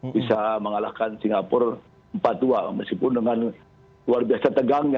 bisa mengalahkan singapura empat dua meskipun dengan luar biasa tegangnya